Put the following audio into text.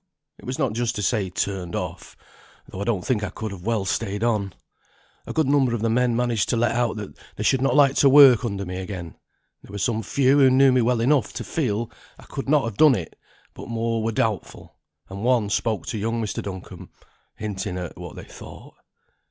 "It was not just to say turned off, though I don't think I could have well stayed on. A good number of the men managed to let out they should not like to work under me again; there were some few who knew me well enough to feel I could not have done it, but more were doubtful; and one spoke to young Mr. Duncombe, hinting at what they thought."